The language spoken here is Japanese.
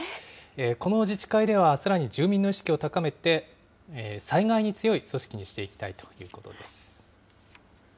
この自治会ではさらに住民の意識を高めて、災害に強い組織にしていきたいということです。